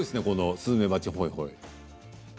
スズメバチホイホイ。